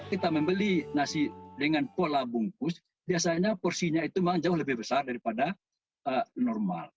jadi nasi dengan pola bungkus biasanya porsinya itu memang jauh lebih besar daripada normal